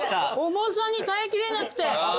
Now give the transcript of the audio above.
重さに耐えきれなくて。